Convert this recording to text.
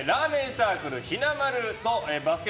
サークルひなまるとバスケ